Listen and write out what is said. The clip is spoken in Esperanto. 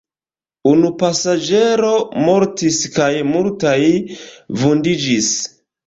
Unu pasaĝero mortis kaj multaj vundiĝis.